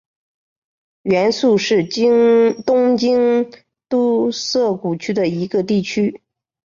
原宿是东京都涩谷区的一个地区。